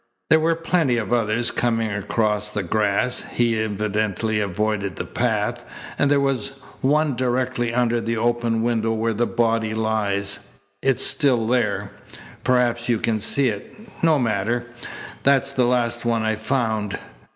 "There were plenty of others coming across the grass. He'd evidently avoided the path. And there was one directly under the open window where the body lies. It's still there. Perhaps you can see it. No matter. That's the last one I found.